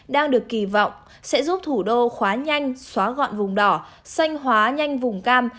đang được kỳ vọng sẽ giúp thủ đô khóa nhanh xóa gọn vùng đỏ xanh hóa nhanh vùng cam